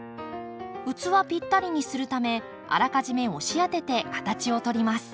器ぴったりにするためあらかじめ押し当てて形を取ります。